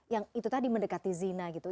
yang itu tadi mendekati zina gitu